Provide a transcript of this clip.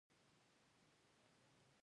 ایا ستاسو دستمال به په لاس وي؟